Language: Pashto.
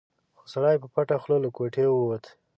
خو سړی په پټه خوله له کوټې ووت.